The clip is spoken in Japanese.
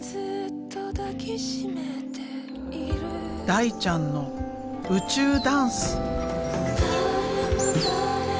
大ちゃんの宇宙ダンス！